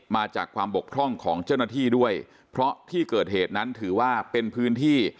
มาจากความบกพร่องของเจ้าหน้าที่ด้วยเพราะที่เกิดเหตุนั้นถือว่าเป็นพื้นที่